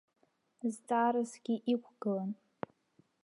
Зҵаарасгьы иқәгылан.